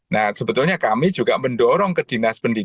nah sebetulnya kami juga mendorong ke dinas pendidikan